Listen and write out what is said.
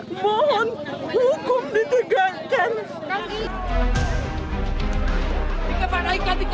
mohon hukum dididikan